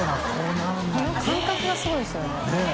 丸山）感覚がすごいですよね。ねぇ。